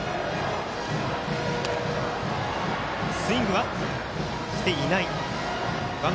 スイングはしていない。